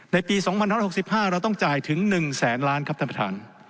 ในปี๒๑๖๕เราต้องจ่ายถึง๑แสนล้านครับท่านประธาน